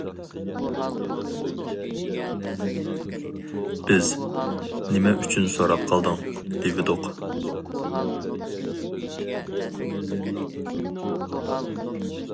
بىز: نېمە ئۈچۈن سوراپ قالدىڭ؟ -دېۋىدۇق.